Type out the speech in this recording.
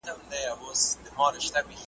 د خپل ګران وجود په وینو لویوي یې `